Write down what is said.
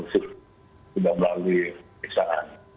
sudah melalui pemeriksaan